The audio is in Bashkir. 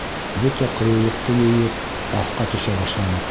Бөтә ҡыйыулыҡты йыйып, аҫҡа төшә башланыҡ.